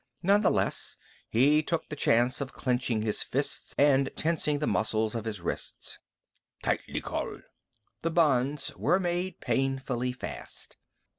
None the less he took the chance of clenching his fists and tensing the muscles of his wrists. "Tightly, Karl." The bonds were made painfully fast.